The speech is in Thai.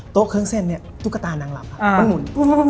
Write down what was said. โต๊ะเครื่องเส้นตุ๊กตานางหลับมันหมุน